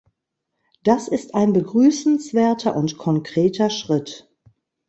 Das ist ein begrüßenswerter und konkreter Schritt.